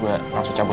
gak ada apa apa